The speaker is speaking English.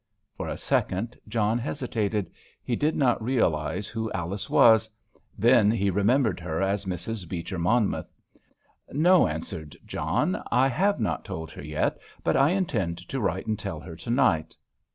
For a second John hesitated; he did not realise who Alice was; then he remembered her as Mrs. Beecher Monmouth. "No," answered John, "I have not told her yet, but I intend to write and tell her to night."